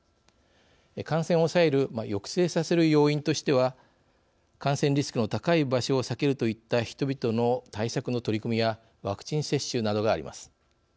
感染を抑える抑制させる要因としては感染リスクの高い場所を避けるといった人々の対策の取り組みやワクチン接種などがあります。